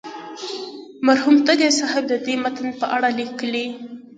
مرحوم تږی صاحب د دې متن په اړه لیکي.